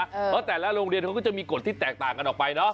เพราะแต่ละโรงเรียนก็จะมีกฎต่างกันออกไปเนาะ